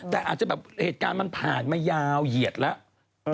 แต่อาจจะแบบเหตุการณ์มันผ่านมายาวเหยียดแล้ว